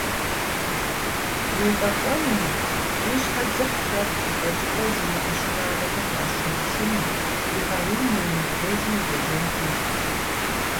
Уефӏэкӏуэнумэ, уи щхьэ дзыхь хуэпщӏу, фӀэкӀыпӀэ зимыӀэ щыуагъэхэм уащымышынэу, уи къарум уемыблэжу улэжьэн хуейщ.